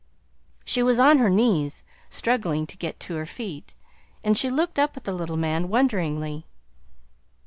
She was on her knees, struggling to get to her feet, and she looked up at the little man wonderingly.